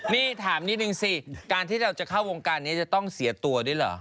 นี่ถามนิดนึงสิการที่เราจะเข้าวงการนี้จะต้องเสียตัวด้วยเหรอ